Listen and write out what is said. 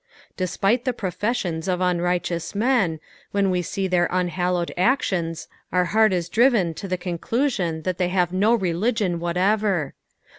Despite the profes sions of unrlghteouB men, when we ace their unhallowed actions our heart Is driven to the conclusioa that they have no religion whatever.